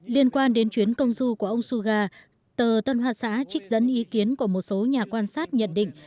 liên quan đến chuyến công du của ông suga tờ tân hoa xã trích dẫn ý kiến của một số nhà quan sát nhận định